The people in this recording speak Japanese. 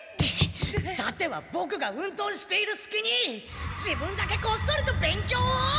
さてはボクが運動しているすきに自分だけこっそりと勉強を！